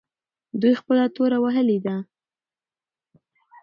دوی خپله توره وهلې ده.